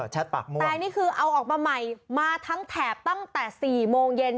แชทปากม่วงแต่อันนี้คือเอาออกมาใหม่มาทั้งแถบตั้งแต่๔โมงเย็น